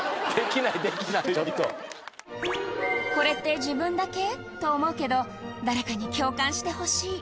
これって自分だけ？と思うけど誰かに共感してほしい